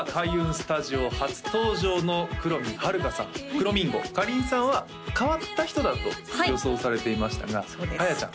スタジオ初登場の黒見明香さんくろみんごかりんさんは変わった人だと予想されていましたがあやちゃん